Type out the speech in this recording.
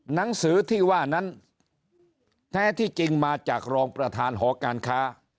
หนังสือที่ว่านั้นแท้ที่จริงมาจากรองประธานหอการค้า